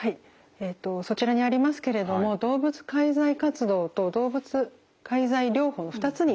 えっとそちらにありますけれども動物介在活動と動物介在療法の２つに分かれます。